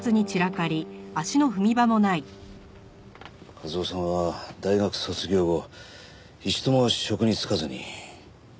一雄さんは大学卒業後一度も職に就かずに。